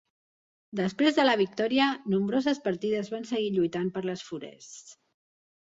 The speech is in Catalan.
Després de la victòria, nombroses partides van seguir lluitant per les forests.